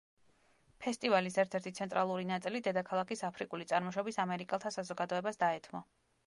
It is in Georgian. ფესტივალის ერთ-ერთი ცენტრალური ნაწილი დედაქალაქის აფრიკული წარმოშობის ამერიკელთა საზოგადოებას დაეთმო.